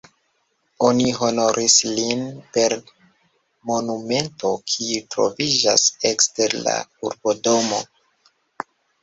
Oni honoris lin per monumento, kiu troviĝas ekster la urbodomo.